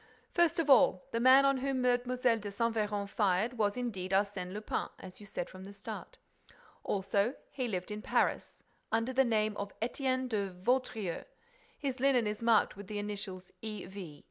First of all, the man on whom Mlle. de Saint Véran fired was indeed Arsène Lupin, as you said from the start. Also, he lived in Paris under the name of Étienne de Vaudreix. His linen is marked with the initials E. V.